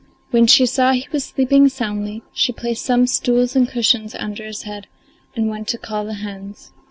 When she saw he was sleeping soundly, she placed some stools and cushions under his heads and went to call the hens.